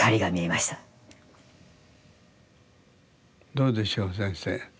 どうでしょう先生？